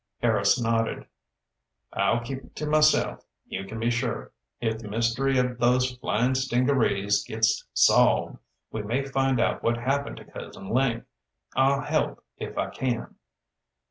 Harris nodded. "I'll keep it to myself, you can be sure. If the mystery of those flyin' stingarees gets solved, we may find out what happened to Cousin Link. I'll help if I can."